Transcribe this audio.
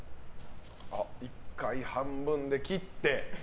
１回、半分で切って。